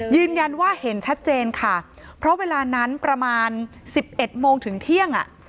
ยืนยันว่าเห็นชัดเจนค่ะเพราะเวลานั้นประมาณ๑๑โมงถึงเที่ยง